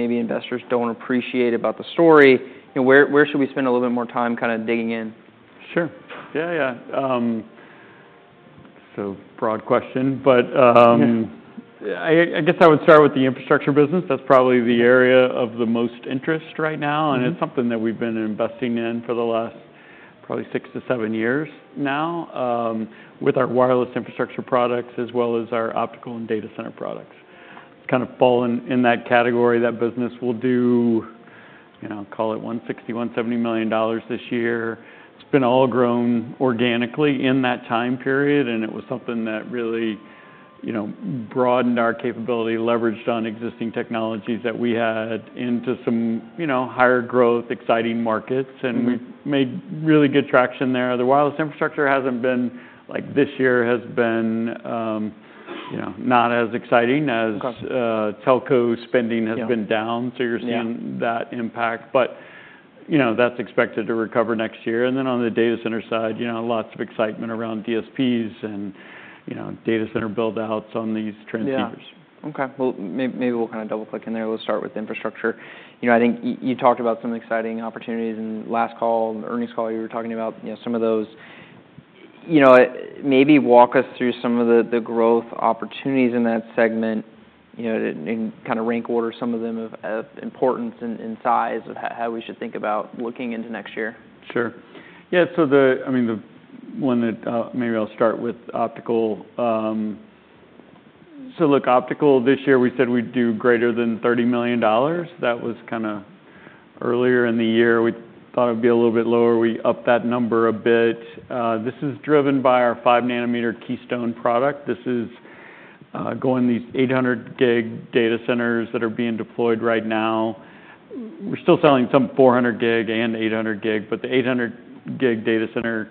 Maybe investors don't appreciate about the story. Where should we spend a little bit more time kind of digging in? Sure. Yeah, yeah. It's a broad question, but I guess I would start with the infrastructure business. That's probably the area of the most interest right now, and it's something that we've been investing in for the last probably six to seven years now with our wireless infrastructure products as well as our optical and data center products. It's kind of fallen in that category. That business will do, I'll call it, $160-$170 million this year. It's been all grown organically in that time period, and it was something that really broadened our capability, leveraged on existing technologies that we had into some higher growth, exciting markets, and we've made really good traction there. The wireless infrastructure hasn't been like this year has been not as exciting as telco spending has been down, so you're seeing that impact, but that's expected to recover next year. And then on the data center side, lots of excitement around DSPs and data center build-outs on these transceivers. Yeah. Okay. Well, maybe we'll kind of double-click in there. We'll start with infrastructure. I think you talked about some exciting opportunities in last call, earnings call. You were talking about some of those. Maybe walk us through some of the growth opportunities in that segment and kind of rank order some of them of importance and size of how we should think about looking into next year. Sure. Yeah. So, I mean, the one that maybe I'll start with optical. So, look, optical this year we said we'd do greater than $30 million. That was kind of earlier in the year. We thought it would be a little bit lower. We upped that number a bit. This is driven by our 5-nanometer Keystone product. This is going these 800-gig data centers that are being deployed right now. We're still selling some 400-gig and 800-gig, but the 800-gig data center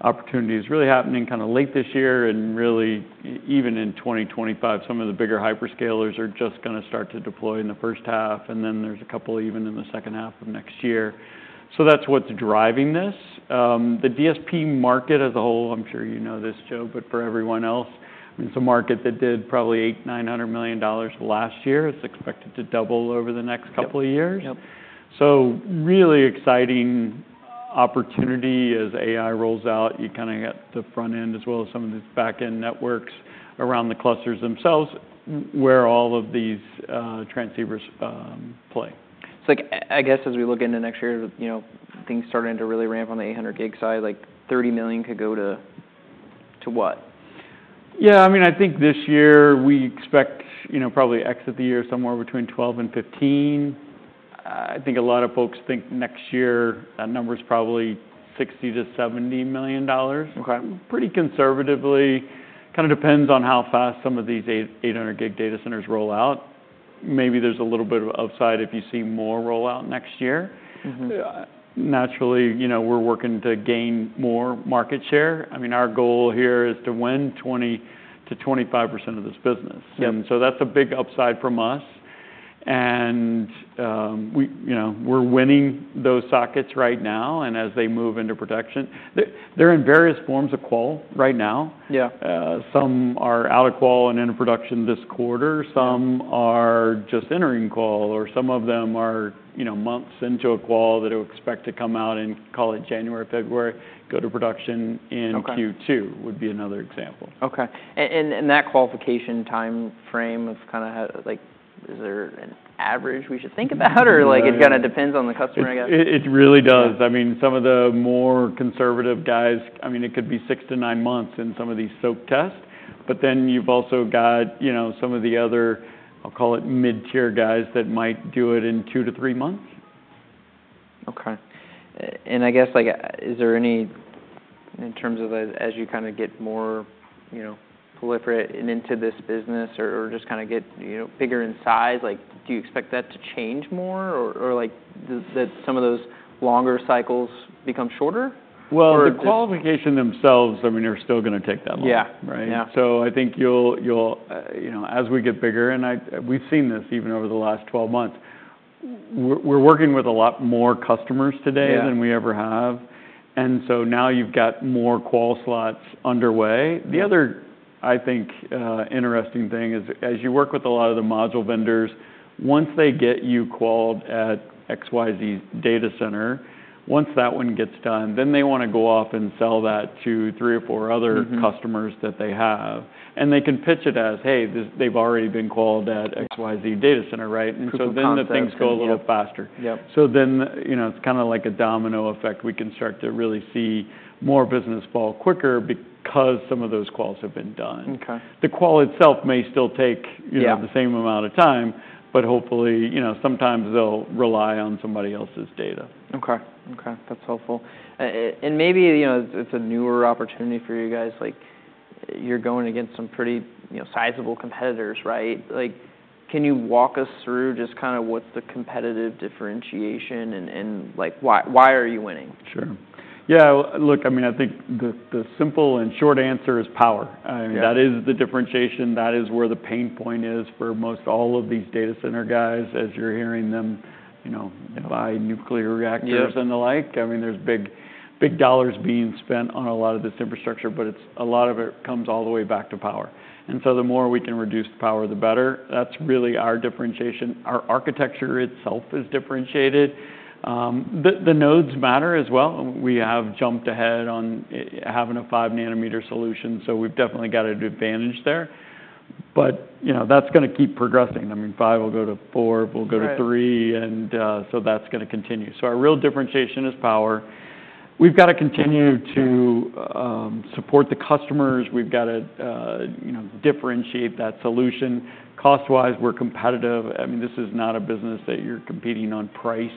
opportunity is really happening kind of late this year and really even in 2025. Some of the bigger hyperscalers are just going to start to deploy in the first half, and then there's a couple even in the second half of next year. So that's what's driving this. The DSP market as a whole, I'm sure you know this, Joe, but for everyone else, it's a market that did probably $800-$900 million last year. It's expected to double over the next couple of years. So really exciting opportunity as AI rolls out. You kind of get the front end as well as some of these back-end networks around the clusters themselves where all of these transceivers play. So I guess as we look into next year, things starting to really ramp on the 800-gig side, like $30 million could go to what? Yeah. I mean, I think this year we expect probably exit the year somewhere between $12 and $15. I think a lot of folks think next year that number is probably $60-$70 million. Pretty conservatively, kind of depends on how fast some of these 800-gig data centers roll out. Maybe there's a little bit of upside if you see more rollout next year. Naturally, we're working to gain more market share. I mean, our goal here is to win 20%-25% of this business. And so that's a big upside from us. And we're winning those sockets right now, and as they move into production, they're in various forms of qual right now. Some are out of qual and in production this quarter. Some are just entering qual, or some of them are months into a qual that expect to come out in, call it January, February, go to production in Q2 would be another example. Okay. And that qualification time frame, kind of, is there an average we should think about, or it kind of depends on the customer, I guess? It really does. I mean, some of the more conservative guys, I mean, it could be six-to-nine months in some of these soak tests, but then you've also got some of the other, I'll call it mid-tier guys that might do it in two-to-three months. Okay. And I guess, is there any, in terms of as you kind of get more proliferate and into this business or just kind of get bigger in size, do you expect that to change more or that some of those longer cycles become shorter? The qualifications themselves, I mean, are still going to take that long, right? I think as we get bigger, and we've seen this even over the last 12 months, we're working with a lot more customers today than we ever have. Now you've got more qual slots underway. The other, I think, interesting thing is as you work with a lot of the module vendors, once they get you qualified at XYZ's data center, once that one gets done, then they want to go off and sell that to three or four other customers that they have. They can pitch it as, "Hey, they've already been qualified at XYZ data center," right? Then the things go a little faster. Then it's kind of like a domino effect. We can start to really see more business fall quicker because some of those quals have been done. The qual itself may still take the same amount of time, but hopefully sometimes they'll rely on somebody else's data. Okay. Okay. That's helpful. And maybe it's a newer opportunity for you guys. You're going against some pretty sizable competitors, right? Can you walk us through just kind of what's the competitive differentiation and why are you winning? Sure. Yeah. Look, I mean, I think the simple and short answer is power. I mean, that is the differentiation. That is where the pain point is for most all of these data center guys as you're hearing them buy nuclear reactors and the like. I mean, there's big dollars being spent on a lot of this infrastructure, but a lot of it comes all the way back to power, and so the more we can reduce the power, the better. That's really our differentiation. Our architecture itself is differentiated. The nodes matter as well. We have jumped ahead on having a 5-nanometer solution, so we've definitely got an advantage there. But that's going to keep progressing. I mean, five will go to four, will go to three, and so that's going to continue, so our real differentiation is power. We've got to continue to support the customers. We've got to differentiate that solution. Cost-wise, we're competitive. I mean, this is not a business that you're competing on price,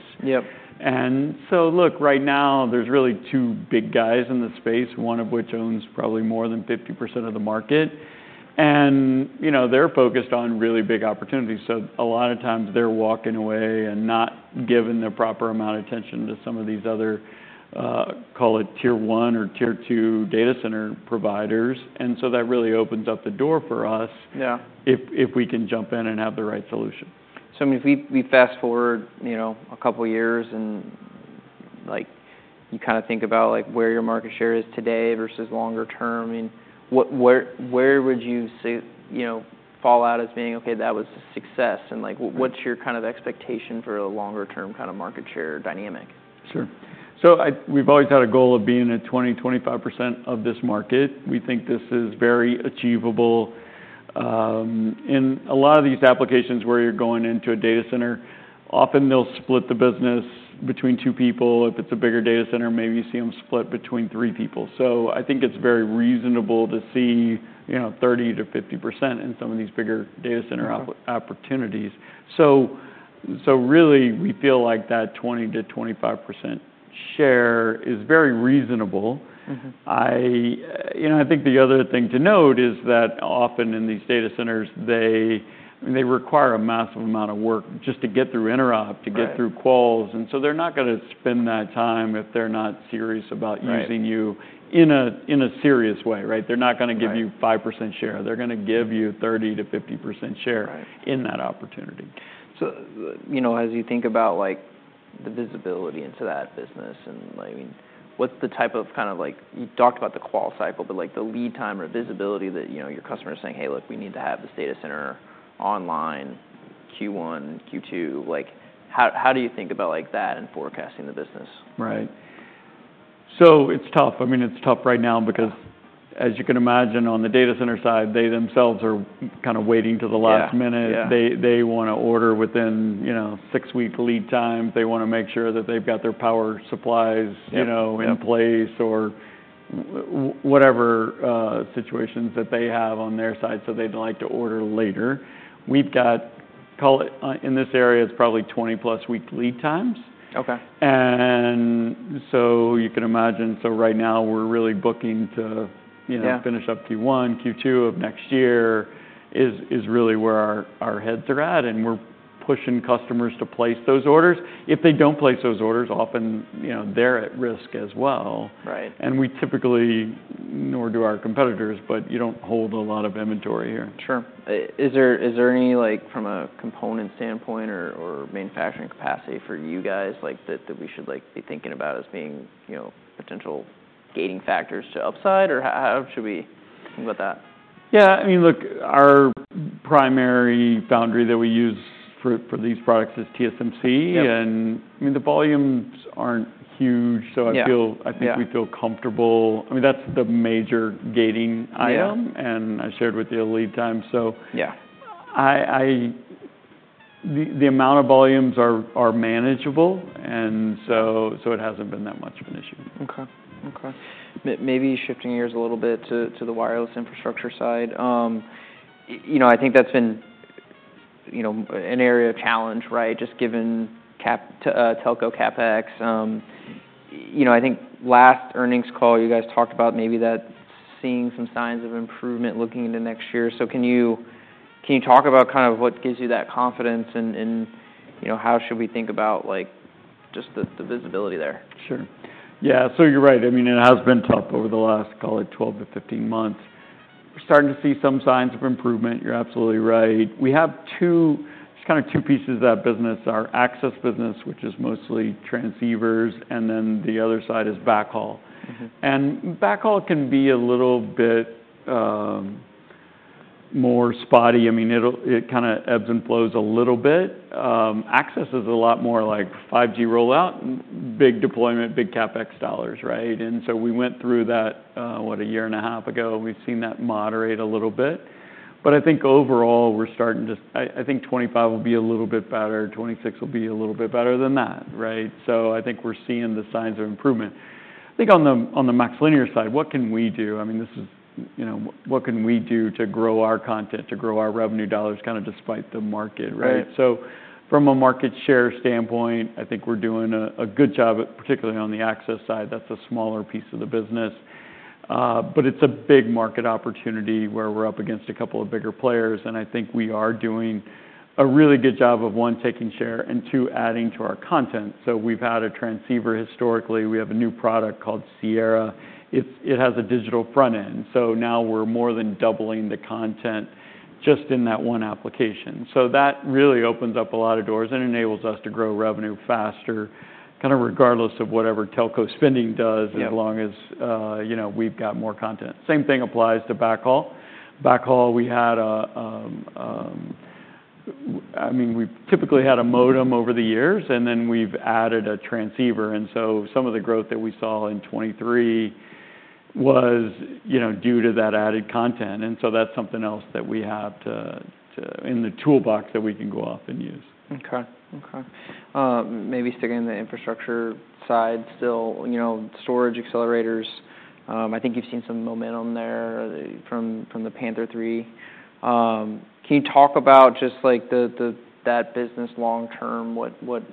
and so look, right now there's really two big guys in the space, one of which owns probably more than 50% of the market, and they're focused on really big opportunities, so a lot of times they're walking away and not giving the proper amount of attention to some of these other, call it tier one or tier two data center providers, and so that really opens up the door for us if we can jump in and have the right solution. So I mean, if we fast forward a couple of years and you kind of think about where your market share is today versus longer term, I mean, where would you fall out as being, "Okay, that was a success"? And what's your kind of expectation for a longer term kind of market share dynamic? Sure. So we've always had a goal of being at 20%-25% of this market. We think this is very achievable. And a lot of these applications where you're going into a data center, often they'll split the business between two people. If it's a bigger data center, maybe you see them split between three people. So I think it's very reasonable to see 30%-50% in some of these bigger data center opportunities. So really we feel like that 20%-25% share is very reasonable. I think the other thing to note is that often in these data centers, they require a massive amount of work just to get through interop, to get through quals. And so they're not going to spend that time if they're not serious about using you in a serious way, right? They're not going to give you 5% share. They're going to give you 30%-50% share in that opportunity. So as you think about the visibility into that business, and I mean, what's the type of kind of you talked about the qual cycle, but the lead time or visibility that your customer is saying, "Hey, look, we need to have this data center online Q1, Q2"? How do you think about that and forecasting the business? Right. So it's tough. I mean, it's tough right now because as you can imagine on the data center side, they themselves are kind of waiting to the last minute. They want to order within six-week lead times. They want to make sure that they've got their power supplies in place or whatever situations that they have on their side so they'd like to order later. We've got, call it in this area, it's probably 20-plus week lead times. And so you can imagine, so right now we're really booking to finish up Q1, Q2 of next year is really where our heads are at, and we're pushing customers to place those orders. If they don't place those orders, often they're at risk as well. And we typically nor do our competitors, but you don't hold a lot of inventory here. Sure. Is there any from a component standpoint or manufacturing capacity for you guys that we should be thinking about as being potential gating factors to upside, or how should we think about that? Yeah. I mean, look, our primary foundry that we use for these products is TSMC, and I mean, the volumes aren't huge, so I think we feel comfortable. I mean, that's the major gating item, and I shared with you the lead time. So the amount of volumes are manageable, and so it hasn't been that much of an issue. Okay. Okay. Maybe shifting gears a little bit to the wireless infrastructure side. I think that's been an area of challenge, right, just given telco CapEx. I think last earnings call, you guys talked about maybe that seeing some signs of improvement looking into next year. So can you talk about kind of what gives you that confidence, and how should we think about just the visibility there? Sure. Yeah. So you're right. I mean, it has been tough over the last, call it, 12 to 15 months. We're starting to see some signs of improvement. You're absolutely right. We have just kind of two pieces of that business: our access business, which is mostly transceivers, and then the other side is backhaul. And backhaul can be a little bit more spotty. I mean, it kind of ebbs and flows a little bit. Access is a lot more like 5G rollout, big deployment, big CapEx dollars, right? And so we went through that, what, a year and a half ago, and we've seen that moderate a little bit. But I think overall we're starting to, I think 2025 will be a little bit better. 2026 will be a little bit better than that, right? So I think we're seeing the signs of improvement. I think on the MaxLinear side, what can we do? I mean, this is what can we do to grow our content, to grow our revenue dollars kind of despite the market, right, so from a market share standpoint, I think we're doing a good job, particularly on the access side. That's a smaller piece of the business, but it's a big market opportunity where we're up against a couple of bigger players, and I think we are doing a really good job of, one, taking share and, two, adding to our content. So we've had a transceiver historically. We have a new product called Sierra. It has a digital front end, so now we're more than doubling the content just in that one application. So that really opens up a lot of doors and enables us to grow revenue faster kind of regardless of whatever telco spending does as long as we've got more content. Same thing applies to backhaul. Backhaul, we had a, I mean, we typically had a modem over the years, and then we've added a transceiver. And so some of the growth that we saw in 2023 was due to that added content. And so that's something else that we have in the toolbox that we can go off and use. Okay. Okay. Maybe sticking in the infrastructure side still, storage accelerators. I think you've seen some momentum there from the Panther III. Can you talk about just that business long term?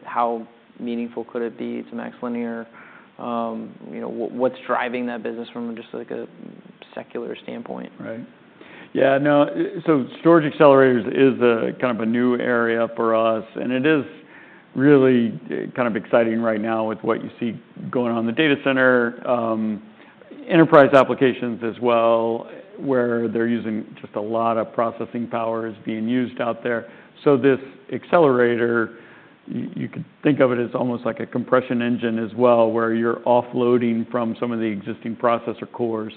How meaningful could it be to MaxLinear? What's driving that business from just a secular standpoint? Right. Yeah. No, so storage accelerators is kind of a new area for us, and it is really kind of exciting right now with what you see going on in the data center, enterprise applications as well, where they're using just a lot of processing power is being used out there, so this accelerator, you could think of it as almost like a compression engine as well where you're offloading from some of the existing processor cores.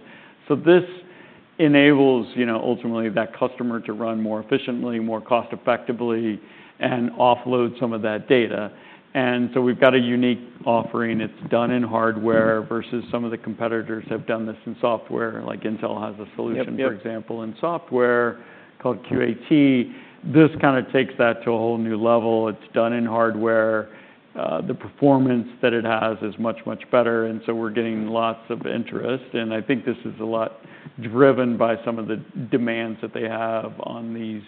So this enables ultimately that customer to run more efficiently, more cost-effectively, and offload some of that data, and so we've got a unique offering. It's done in hardware versus some of the competitors have done this in software. Like Intel has a solution, for example, in software called QAT. This kind of takes that to a whole new level. It's done in hardware. The performance that it has is much, much better. And so we're getting lots of interest. And I think this is a lot driven by some of the demands that they have on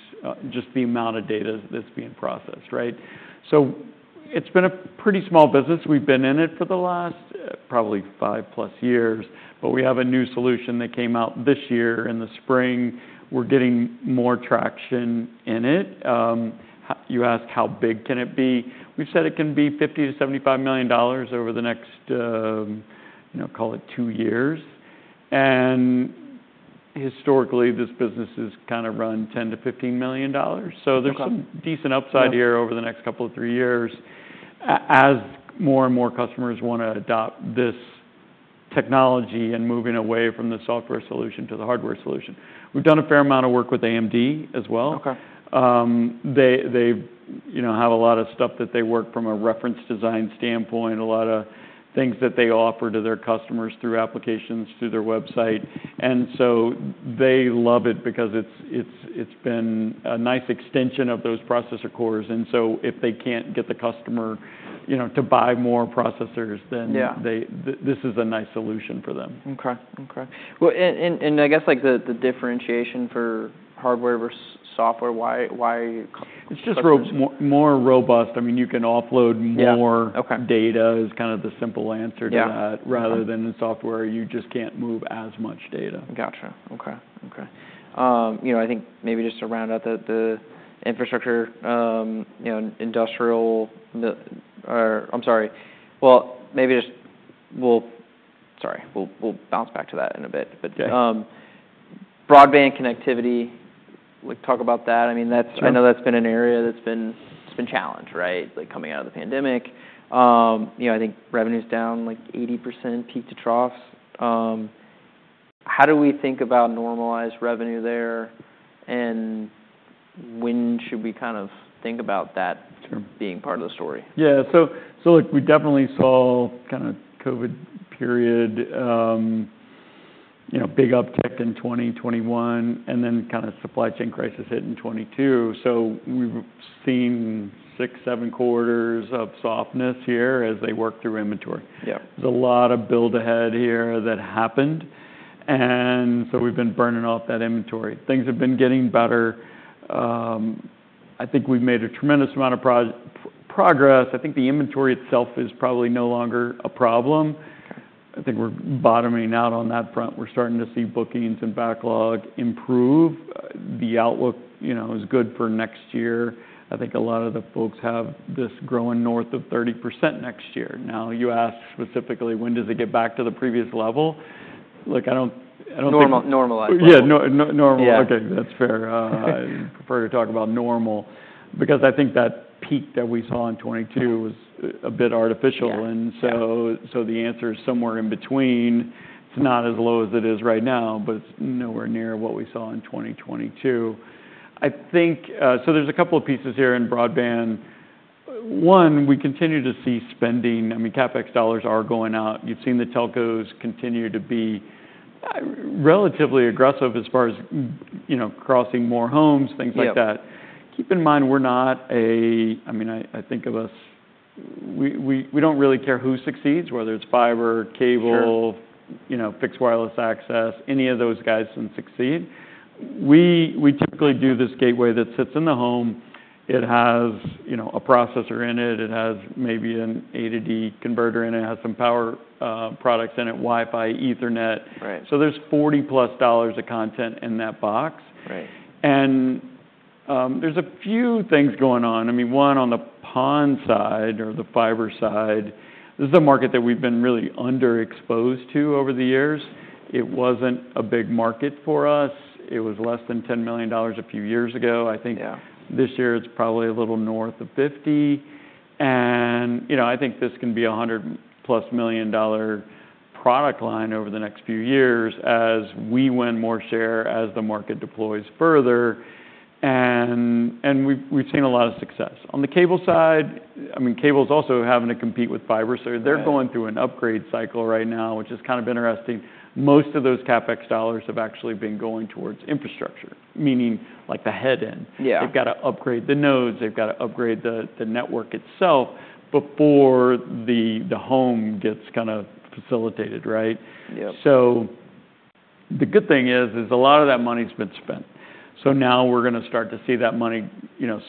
just the amount of data that's being processed, right? So it's been a pretty small business. We've been in it for the last probably five-plus years, but we have a new solution that came out this year in the spring. We're getting more traction in it. You ask how big can it be. We've said it can be $50-$75 million over the next, call it, two years. And historically, this business has kind of run $10-$15 million. So there's some decent upside here over the next couple of three years as more and more customers want to adopt this technology and moving away from the software solution to the hardware solution. We've done a fair amount of work with AMD as well. They have a lot of stuff that they work from a reference design standpoint, a lot of things that they offer to their customers through applications, through their website. And so they love it because it's been a nice extension of those processor cores. And so if they can't get the customer to buy more processors, then this is a nice solution for them. I guess the differentiation for hardware versus software, why? It's just more robust. I mean, you can offload more data, is kind of the simple answer to that rather than in software. You just can't move as much data. Gotcha. Okay. Okay. I think maybe just to round out the infrastructure industrial or I'm sorry. Well, maybe just we'll, sorry, we'll bounce back to that in a bit, but broadband connectivity, talk about that. I mean, I know that's been an area that's been a challenge, right, coming out of the pandemic. I think revenue's down like 80% peak to troughs. How do we think about normalized revenue there, and when should we kind of think about that being part of the story? Yeah. So look, we definitely saw kind of COVID period, big uptick in 2021, and then kind of supply chain crisis hit in 2022. So we've seen six, seven quarters of softness here as they work through inventory. There's a lot of build ahead here that happened, and so we've been burning off that inventory. Things have been getting better. I think we've made a tremendous amount of progress. I think the inventory itself is probably no longer a problem. I think we're bottoming out on that front. We're starting to see bookings and backlog improve. The outlook is good for next year. I think a lot of the folks have this growing north of 30% next year. Now, you ask specifically when does it get back to the previous level? Look, I don't. Normalize it. Yeah. Normalize. Okay. That's fair. I prefer to talk about normal because I think that peak that we saw in 2022 was a bit artificial. And so the answer is somewhere in between. It's not as low as it is right now, but it's nowhere near what we saw in 2022. I think so there's a couple of pieces here in broadband. One, we continue to see spending. I mean, CapEx dollars are going out. You've seen the telcos continue to be relatively aggressive as far as crossing more homes, things like that. Keep in mind, we're not a, I mean, I think of us, we don't really care who succeeds, whether it's fiber, cable, fixed wireless access, any of those guys can succeed. We typically do this gateway that sits in the home. It has a processor in it. It has maybe an A-to-D converter in it. It has some power products in it, Wi-Fi, Ethernet. So there's $40-plus of content in that box. There's a few things going on. I mean, one on the PON side or the fiber side, this is a market that we've been really underexposed to over the years. It wasn't a big market for us. It was less than $10 million a few years ago. I think this year it's probably a little north of $50. I think this can be a $100-plus million-dollar product line over the next few years as we win more share as the market deploys further. We've seen a lot of success. On the cable side, I mean, cables also having to compete with fiber. They're going through an upgrade cycle right now, which is kind of interesting. Most of those CapEx dollars have actually been going towards infrastructure, meaning like the headend. They've got to upgrade the nodes. They've got to upgrade the network itself before the home gets kind of facilitated, right? So the good thing is a lot of that money's been spent. So now we're going to start to see that money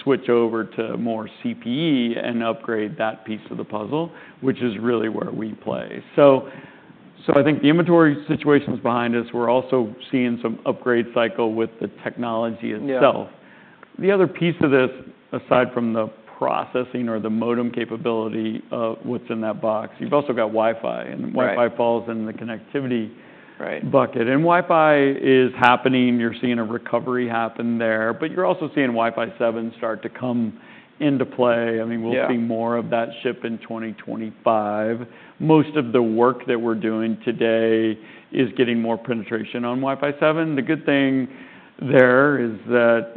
switch over to more CPE and upgrade that piece of the puzzle, which is really where we play. So I think the inventory situation's behind us. We're also seeing some upgrade cycle with the technology itself. The other piece of this, aside from the processing or the modem capability of what's in that box, you've also got Wi-Fi, and Wi-Fi falls in the connectivity bucket. And Wi-Fi is happening. You're seeing a recovery happen there, but you're also seeing Wi-Fi 7 start to come into play. I mean, we'll see more of that ship in 2025. Most of the work that we're doing today is getting more penetration on Wi-Fi 7. The good thing there is that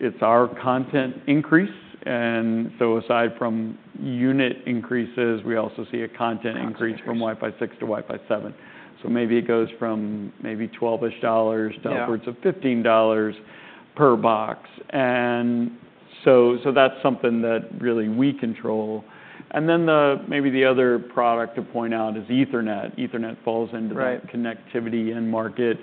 it's our content increase. And so aside from unit increases, we also see a content increase from Wi-Fi 6 to Wi-Fi 7. So maybe it goes from maybe $12-ish dollars downwards to $15 per box. And so that's something that really we control. And then maybe the other product to point out is Ethernet. Ethernet falls into that connectivity end market.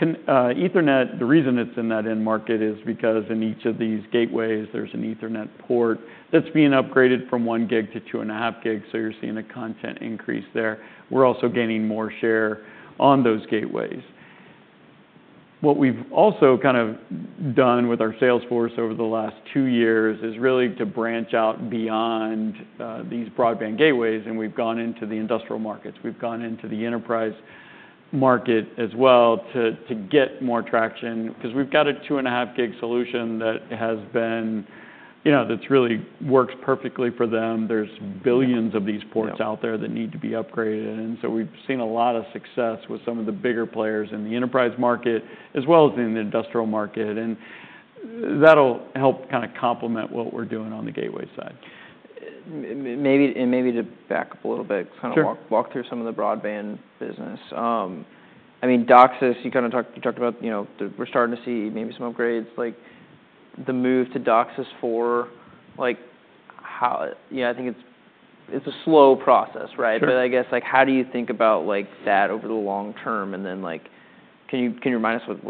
Ethernet, the reason it's in that end market is because in each of these gateways, there's an Ethernet port that's being upgraded from one gig to two and a half gigs. So you're seeing a content increase there. We're also gaining more share on those gateways. What we've also kind of done with our sales force over the last two years is really to branch out beyond these broadband gateways, and we've gone into the industrial markets. We've gone into the enterprise market as well to get more traction because we've got a two and a half gig solution that really works perfectly for them. There's billions of these ports out there that need to be upgraded, and so we've seen a lot of success with some of the bigger players in the enterprise market as well as in the industrial market, and that'll help kind of complement what we're doing on the gateway side. Maybe to back up a little bit, kind of walk through some of the broadband business. I mean, DOCSIS, you kind of talked about we're starting to see maybe some upgrades. The move to DOCSIS 4, I think it's a slow process, right? But I guess how do you think about that over the long term? And then can you remind us of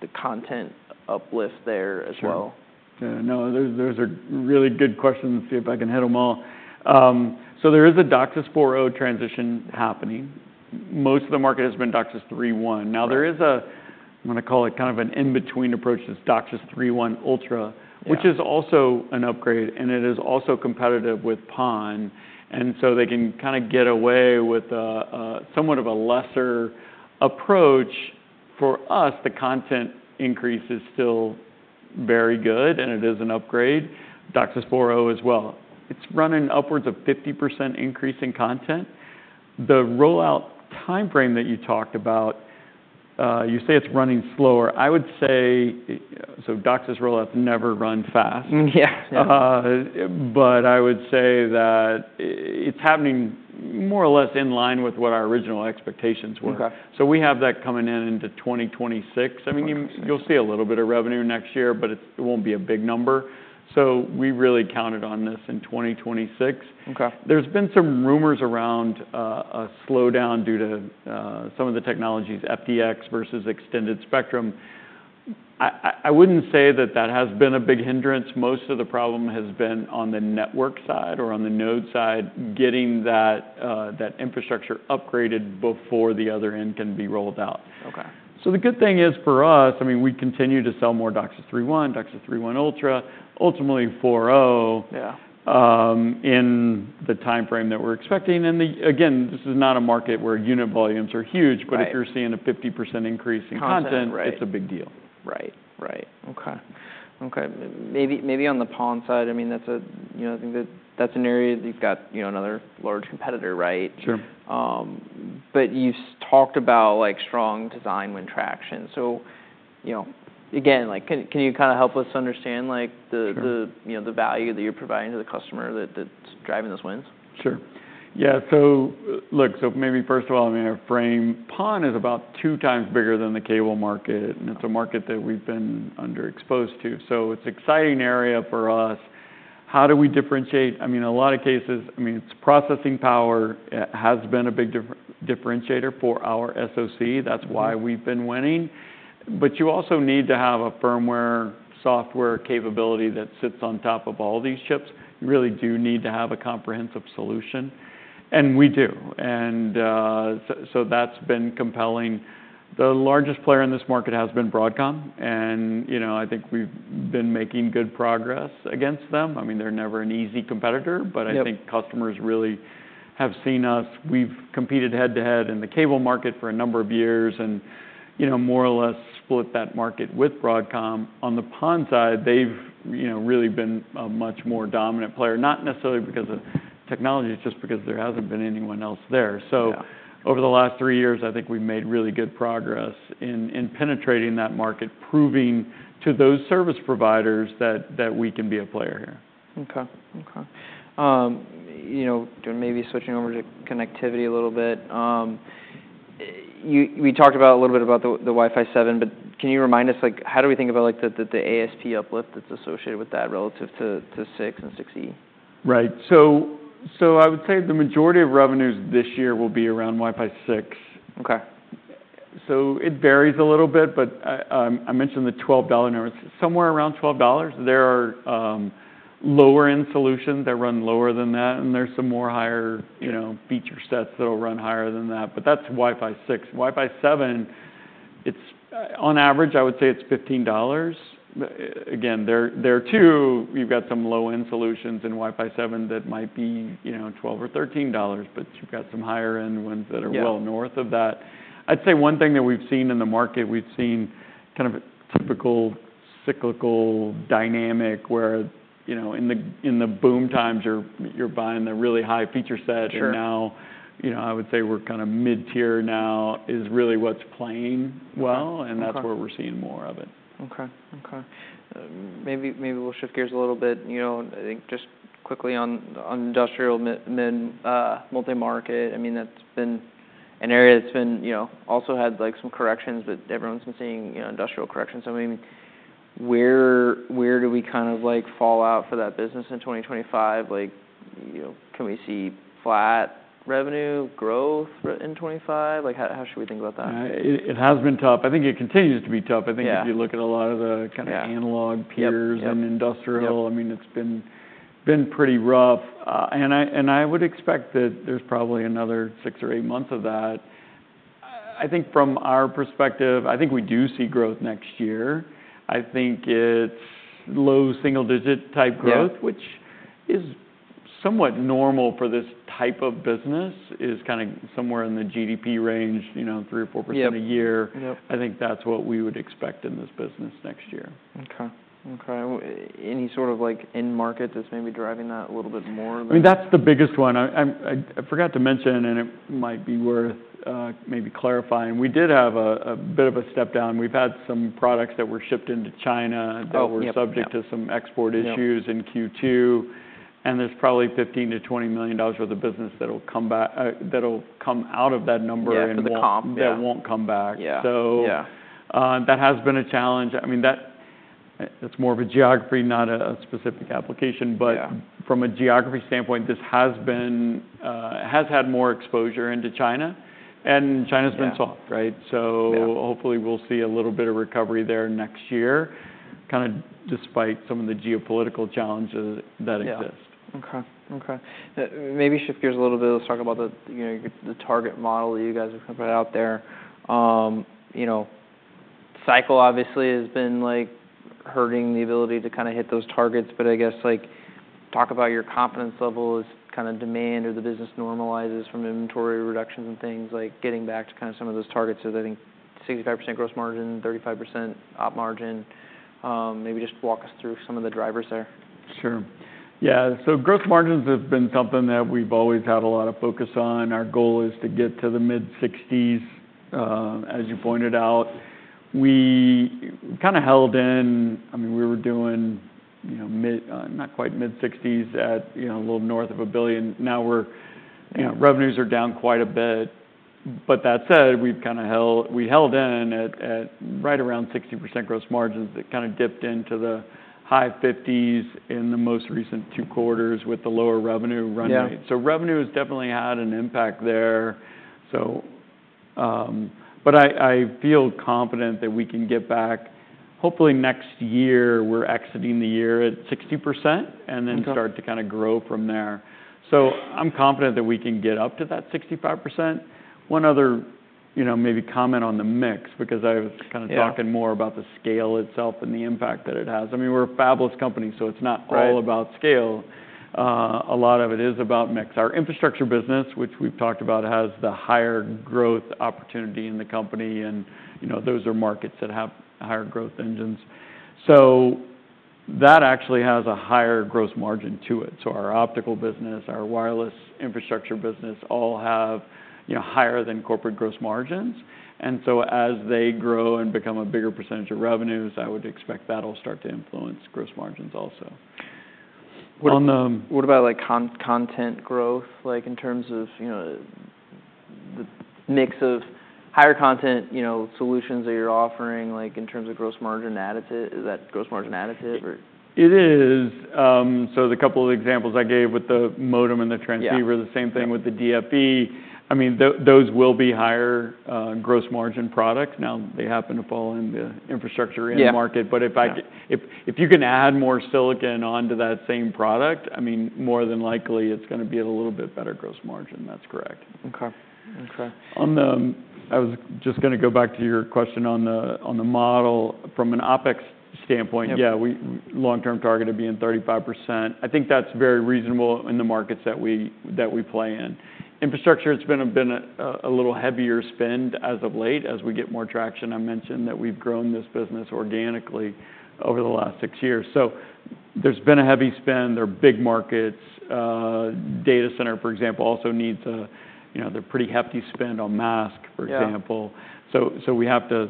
the content uplift there as well? Sure. Yeah. No, those are really good questions. See if I can hit them all. So there is a DOCSIS 4.0 transition happening. Most of the market has been DOCSIS 3.1. Now, there is a. I'm going to call it kind of an in-between approach that's DOCSIS 3.1 Ultra, which is also an upgrade, and it is also competitive with PON. And so they can kind of get away with somewhat of a lesser approach. For us, the content increase is still very good, and it is an upgrade. DOCSIS 4.0 as well. It's running upwards of 50% increase in content. The rollout timeframe that you talked about, you say it's running slower. I would say, so DOCSIS rollouts never run fast. But I would say that it's happening more or less in line with what our original expectations were. So we have that coming in into 2026. I mean, you'll see a little bit of revenue next year, but it won't be a big number, so we really counted on this in 2026. There's been some rumors around a slowdown due to some of the technologies, FDX versus extended spectrum. I wouldn't say that that has been a big hindrance. Most of the problem has been on the network side or on the node side, getting that infrastructure upgraded before the other end can be rolled out, so the good thing is for us, I mean, we continue to sell more DOCSIS 3.1, DOCSIS 3.1 Ultra, ultimately 4.0 in the timeframe that we're expecting, and again, this is not a market where unit volumes are huge, but if you're seeing a 50% increase in content, it's a big deal. Right. Right. Okay. Okay. Maybe on the PON side, I mean, I think that that's an area that you've got another large competitor, right? Sure. But you've talked about strong design-win traction. So again, can you kind of help us understand the value that you're providing to the customer that's driving those wins? Sure. Yeah. So look, so maybe first of all, I'm going to frame. PON is about two times bigger than the cable market, and it's a market that we've been underexposed to. So it's an exciting area for us. How do we differentiate? I mean, a lot of cases, I mean, it's processing power. It has been a big differentiator for our SoC. That's why we've been winning. But you also need to have a firmware software capability that sits on top of all these chips. You really do need to have a comprehensive solution, and we do. And so that's been compelling. The largest player in this market has been Broadcom. I think we've been making good progress against them. I mean, they're never an easy competitor, but I think customers really have seen us. We've competed head to head in the cable market for a number of years and more or less split that market with Broadcom. On the PON side, they've really been a much more dominant player, not necessarily because of technology, just because there hasn't been anyone else there. So over the last three years, I think we've made really good progress in penetrating that market, proving to those service providers that we can be a player here. Okay. Okay. Maybe switching over to connectivity a little bit. We talked a little bit about the Wi-Fi 7, but can you remind us how do we think about the ASP uplift that's associated with that relative to Wi-Fi 6 and Wi-Fi 6E? Right. So I would say the majority of revenues this year will be around Wi-Fi 6. So it varies a little bit, but I mentioned the $12. Somewhere around $12. There are lower-end solutions that run lower than that, and there's some more higher feature sets that'll run higher than that. But that's Wi-Fi 6. Wi-Fi 7, on average, I would say it's $15. Again, there too, you've got some low-end solutions in Wi-Fi 7 that might be $12 or $13, but you've got some higher-end ones that are well north of that. I'd say one thing that we've seen in the market, we've seen kind of a typical cyclical dynamic where in the boom times you're buying the really high feature set. And now I would say we're kind of mid-tier now is really what's playing well, and that's where we're seeing more of it. Okay. Okay. Maybe we'll shift gears a little bit. I think just quickly on industrial and multi-market, I mean, that's been an area that's also had some corrections, but everyone's been seeing industrial corrections. I mean, where do we kind of fall out for that business in 2025? Can we see flat revenue growth in 2025? How should we think about that? It has been tough. I think it continues to be tough. I think if you look at a lot of the kind of analog peers and industrial, I mean, it's been pretty rough. And I would expect that there's probably another six or eight months of that. I think from our perspective, I think we do see growth next year. I think it's low single-digit type growth, which is somewhat normal for this type of business, is kind of somewhere in the GDP range, 3% or 4% a year. I think that's what we would expect in this business next year. Okay. Any sort of end market that's maybe driving that a little bit more? I mean, that's the biggest one. I forgot to mention, and it might be worth maybe clarifying. We did have a bit of a step down. We've had some products that were shipped into China that were subject to some export issues in Q2. And there's probably $15-$20 million worth of business that'll come out of that number. Yeah, the comp. That won't come back. So that has been a challenge. I mean, that's more of a geography, not a specific application. But from a geography standpoint, this has had more exposure into China. And China's been soft, right? So hopefully we'll see a little bit of recovery there next year, kind of despite some of the geopolitical challenges that exist. Okay. Okay. Maybe shift gears a little bit. Let's talk about the target model that you guys have put out there. Cycle obviously has been hurting the ability to kind of hit those targets. But I guess talk about your confidence level as kind of demand or the business normalizes from inventory reductions and things, like getting back to kind of some of those targets of, I think, 65% gross margin, 35% op margin. Maybe just walk us through some of the drivers there. Sure. Yeah. So gross margins have been something that we've always had a lot of focus on. Our goal is to get to the mid-60s, as you pointed out. We kind of held in. I mean, we were doing not quite mid-60s at a little north of $1 billion. Now revenues are down quite a bit. But that said, we held in at right around 60% gross margins that kind of dipped into the high 50s in the most recent two quarters with the lower revenue run rate. So revenue has definitely had an impact there. But I feel confident that we can get back. Hopefully next year, we're exiting the year at 60% and then start to kind of grow from there. So I'm confident that we can get up to that 65%. One other maybe comment on the mix, because I was kind of talking more about the scale itself and the impact that it has. I mean, we're a fabless company, so it's not all about scale. A lot of it is about mix. Our infrastructure business, which we've talked about, has the higher growth opportunity in the company, and those are markets that have higher growth engines, so that actually has a higher gross margin to it, so our optical business, our wireless infrastructure business all have higher than corporate gross margins, and so as they grow and become a bigger percentage of revenues, I would expect that'll start to influence gross margins also. What about content growth in terms of the mix of higher content solutions that you're offering in terms of gross margin additive? Is that gross margin additive? It is. So the couple of examples I gave with the modem and the transceiver, the same thing with the DFE. I mean, those will be higher gross margin products. Now they happen to fall in the infrastructure end market. But if you can add more silicon onto that same product, I mean, more than likely it's going to be a little bit better gross margin. That's correct. Okay. Okay. I was just going to go back to your question on the model. From an OpEx standpoint, yeah, long-term target of being 35%. I think that's very reasonable in the markets that we play in. Infrastructure, it's been a little heavier spend as of late as we get more traction. I mentioned that we've grown this business organically over the last six years, so there's been a heavy spend. They're big markets. Data center, for example, also needs a pretty hefty spend on masks, for example. We have to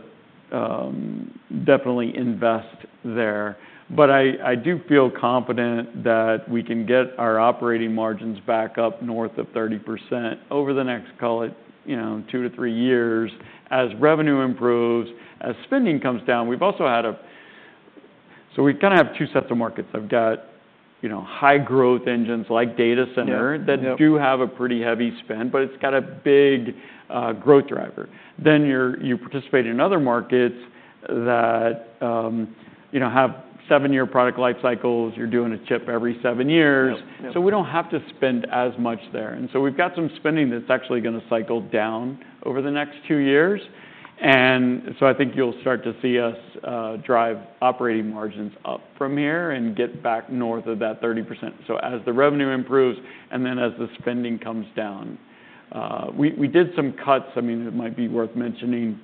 definitely invest there, but I do feel confident that we can get our operating margins back up north of 30% over the next, call it, two to three years as revenue improves, as spending comes down. We've also had, so we kind of have two sets of markets. I've got high growth engines like data center that do have a pretty heavy spend, but it's got a big growth driver, then you participate in other markets that have seven-year product life cycles. You're doing a chip every seven years, so we don't have to spend as much there, and so we've got some spending that's actually going to cycle down over the next two years, and so I think you'll start to see us drive operating margins up from here and get back north of that 30%. So as the revenue improves and then as the spending comes down, we did some cuts. I mean, it might be worth mentioning.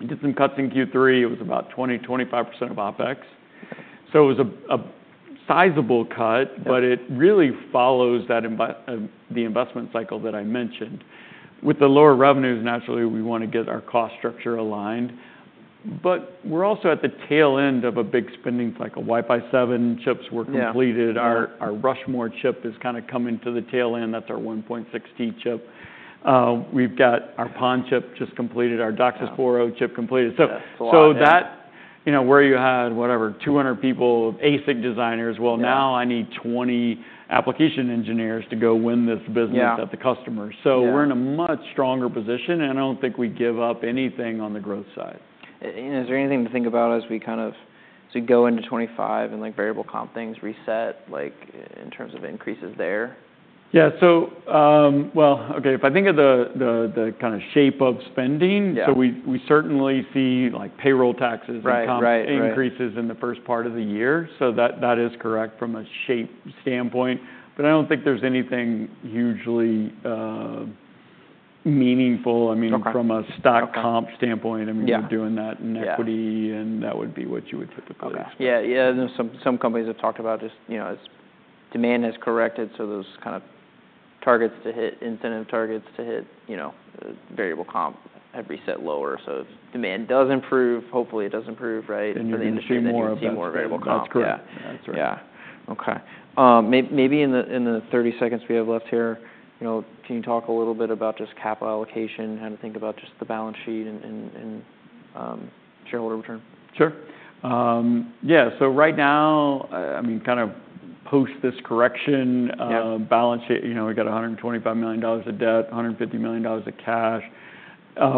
We did some cuts in Q3. It was about 20-25% of OpEx. So it was a sizable cut, but it really follows the investment cycle that I mentioned. With the lower revenues, naturally, we want to get our cost structure aligned. But we're also at the tail end of a big spending cycle. Wi-Fi 7 chips were completed. Our Rushmore chip is kind of coming to the tail end. That's our 1.6T chip. We've got our PON chip just completed. Our DOCSIS 4.0 chip completed. So that's where you had, whatever, 200 people of ASIC designers, well, now I need 20 application engineers to go win this business at the customer. So we're in a much stronger position, and I don't think we give up anything on the growth side. Is there anything to think about as we kind of go into 2025 and variable comp things reset in terms of increases there? Yeah. So, well, okay, if I think of the kind of shape of spending, so we certainly see payroll taxes and comp increases in the first part of the year. So that is correct from a shape standpoint. But I don't think there's anything hugely meaningful. I mean, from a stock comp standpoint, I mean, we're doing that in equity, and that would be what you would typically expect. Yeah. Some companies have talked about just as demand has corrected, so those kind of targets to hit, incentive targets to hit variable comp have reset lower. So if demand does improve, hopefully it does improve, right? You're seeing more of variable comp. That's correct. Yeah. Okay. Maybe in the 30 seconds we have left here, can you talk a little bit about just capital allocation, how to think about just the balance sheet and shareholder return? Sure. Yeah. So right now, I mean, kind of post this correction, balance sheet, we got $125 million of debt, $150 million of cash.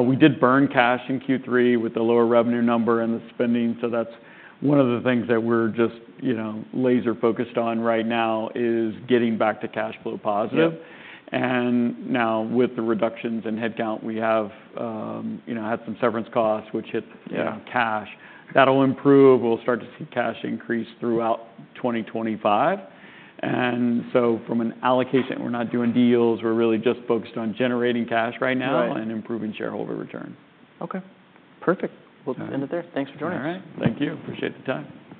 We did burn cash in Q3 with the lower revenue number and the spending. So that's one of the things that we're just laser-focused on right now is getting back to cash flow positive. And now with the reductions in headcount, we have had some severance costs, which hit cash. That'll improve. We'll start to see cash increase throughout 2025. And so from an allocation, we're not doing deals. We're really just focused on generating cash right now and improving shareholder return. Okay. Perfect. We'll end it there. Thanks for joining us. All right. Thank you. Appreciate the time.